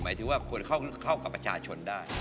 หมายถึงว่าควรเข้ากับประชาชนได้